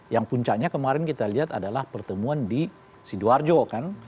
yang puncaknya kemarin kita lihat adalah pertemuan di sidoarjo kan